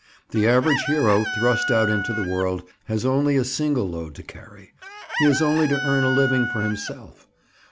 The average hero, thrust out into the world, has only a single load to carry. He has only to earn a living for himself.